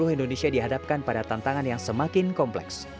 indonesia dihadapkan pada tantangan yang semakin kompleks